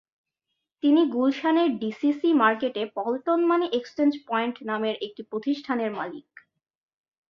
তিনি গুলশানের ডিসিসি মার্কেটে পল্টন মানি এক্সচেঞ্জ পয়েন্ট নামের একটি প্রতিষ্ঠানের মালিক।